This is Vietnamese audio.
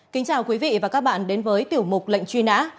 kính chào quý vị và các bạn đến với tiểu mục lệnh truy nã